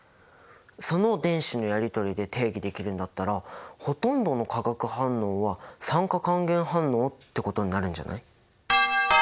その電子のやりとりで定義できるんだったらほとんどの化学反応は酸化還元反応ってことになるんじゃない？